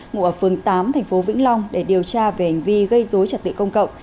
ngủ ở phường tám thành phố vĩnh long để điều tra về hành vi gây dối trật tự công cộng